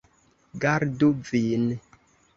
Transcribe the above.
Gardu vin.